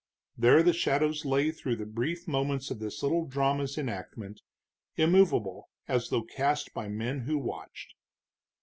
There the shadows lay through the brief moments of this little drama's enactment, immovable, as though cast by men who watched.